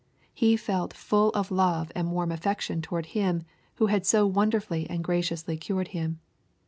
He felt full of love and warm affection toward Him, who had so wonderfully and graciously cured him.